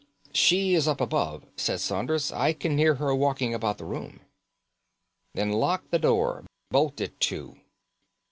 "She is up above," said Saunders; "I can hear her walking about the room." "Then lock the door; bolt it too.